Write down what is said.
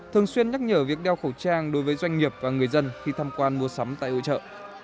thường xuyên nhắc nhở việc đeo khẩu trang đối với doanh nghiệp và người dân khi tham quan mua sắm tại hội trợ